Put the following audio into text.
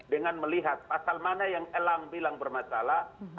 dengan melihat pasal mana yang elang bilang bermasalah